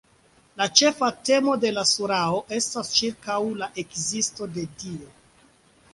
La ĉefa temo de la surao estas ĉirkaŭ la ekzisto de Dio.